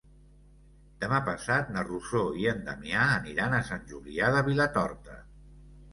Demà passat na Rosó i en Damià aniran a Sant Julià de Vilatorta.